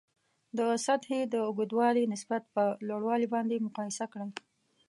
د سطحې د اوږدوالي نسبت پر لوړوالي باندې مقایسه کړئ.